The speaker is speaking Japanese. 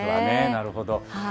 なるほど。